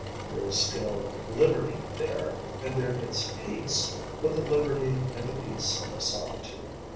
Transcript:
There is still liberty there, and there is peace‚ÄĒbut the liberty and the peace of solitude.